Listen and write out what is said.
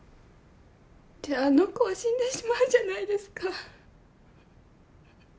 じゃああの子は死んでしまうじゃないですか。